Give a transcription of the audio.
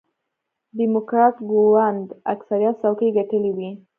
ډیموکراټ ګوند اکثریت څوکۍ ګټلې وې.